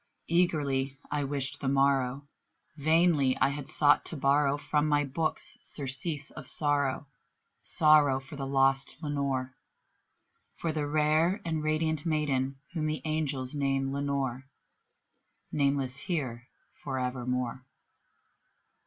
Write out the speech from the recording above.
Eagerly I wished the morrow; vainly I had sought to borrow From my books surcease of sorrow sorrow for the lost Lenore For the rare and radiant maiden whom the angels name Lenore Nameless here for evermore.